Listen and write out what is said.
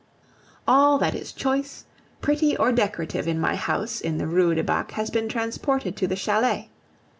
All that is choice, pretty, or decorative in my house in the Rue du Bac has been transported to the chalet.